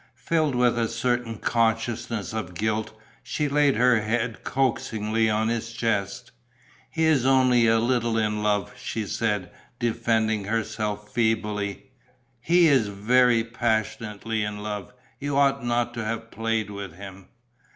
Filled with a certain consciousness of guilt, she laid her head coaxingly on his chest: "He is only a little in love," she said, defending herself feebly. "He is very passionately in love. You ought not to have played with him."